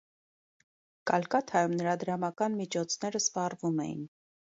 Կալկաթայում նրա դրամական միջոցները սպառվում էին։